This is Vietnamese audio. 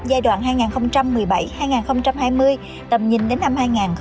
giai đoạn hai nghìn một mươi bảy hai nghìn hai mươi tầm nhìn đến năm hai nghìn ba mươi